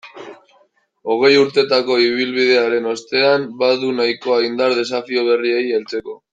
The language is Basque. Hogei urtetako ibilbidearen ostean, badu nahikoa indar desafio berriei heltzeko.